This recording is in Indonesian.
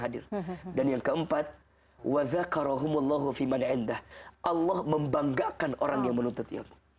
hadir dan yang keempat wazakarohumullahu fiman indah allah membanggakan orang yang menuntut ilmu